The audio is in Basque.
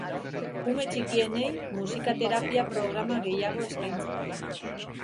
Ume txikienei musika-terapia programa gehiago eskaintzeko.